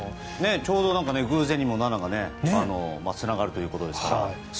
ちょうど偶然にも７がそろうということですから。